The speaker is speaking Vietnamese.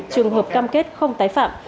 trường hợp cam kết không tái phạm